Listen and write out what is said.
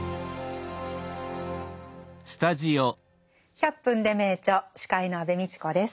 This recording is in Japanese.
「１００分ｄｅ名著」司会の安部みちこです。